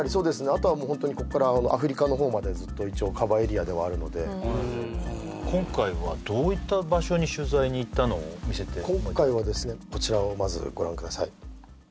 あとはホントにこっからアフリカのほうまでずっと一応カバーエリアではあるので今回はどういった場所に取材に行ったのを見せて今回はですねこちらをまずご覧ください